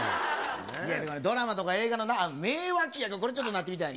いやでも、ドラマとか映画の名脇役、これ、ちょっとなってみたいねん。